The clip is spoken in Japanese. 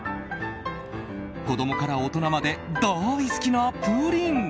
子供から大人まで大好きなプリン。